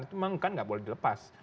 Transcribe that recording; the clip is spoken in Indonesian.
itu memang kan nggak boleh dilepas